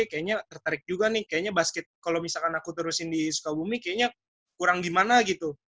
kayaknya tertarik juga nih kayaknya basketnya kalau misalkan aku terusin di sukabumi kayaknya kurang gimana gitu